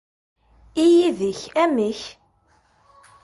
I yid-k, amek?